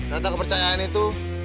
datang kepercayaan itu